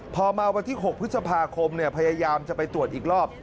พอมาวันที่๖พฤษภาคมพยายามจะไปตรวจอีกรอบ